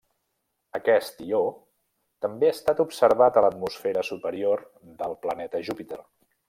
Aquest ió també ha estat observat a l'atmosfera superior del planeta Júpiter.